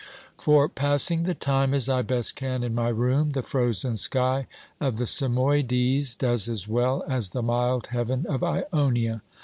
For, passing the time as I best can in my room, the frozen sky of the Samoiedes does as well as the mild heaven of Ionia.